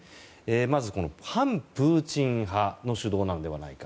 まず、反プーチン派の主導なのではないか。